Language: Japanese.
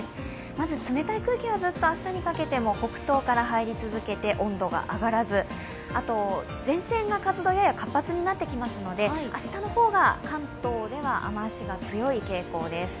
まず冷たい空気がずっと明日にかけても北東から入り続けて温度が上がらず、あと前線が活動、やや活発になってきますので明日の方が関東では雨足が強い傾向です。